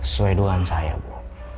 sesuai doaan saya bu